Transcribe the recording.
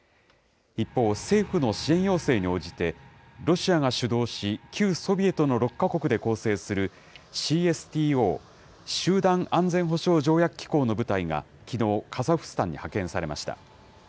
一方、政府の支援要請に応じて、ロシアが主導し、旧ソビエトの６か国で構成するＣＳＴＯ・集団安全保障条約機構の部隊がきのう、カザフスタンに派遣されました。